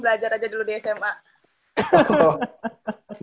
belajar aja dulu di sma